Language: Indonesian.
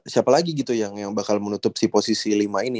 siapa lagi gitu yang bakal menutup si posisi lima ini